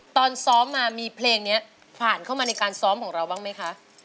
ตอนซ้อมมามีเพลงนี้ผ่านเข้ามาในการซ้อมของเราบ้างไหมคะ